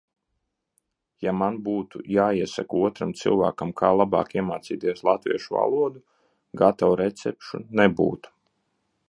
Ja man būtu jāiesaka otram cilvēkam, kā labāk iemācīties latviešu valodu, gatavu recepšu nebūtu.